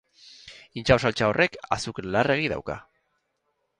Intxaur-saltsa horrek azukre larregi dauka.